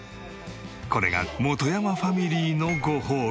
これが本山ファミリーのごほうび。